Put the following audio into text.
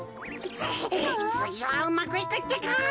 つつぎはうまくいくってか！